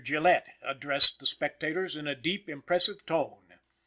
Gillette addressed the spectators in a deep impressive tone.